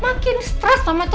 makin stres sama itu